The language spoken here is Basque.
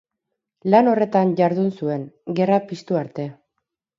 Lan horretan jardun zuen, gerra piztu arte.